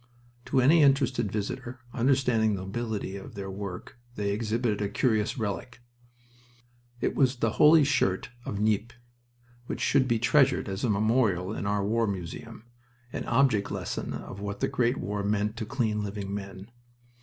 To any interested visitor, understanding the nobility of their work, they exhibited a curious relic. It was the Holy Shirt of Nieppe, which should be treasured as a memorial in our War Museum an object lesson of what the great war meant to clean living men.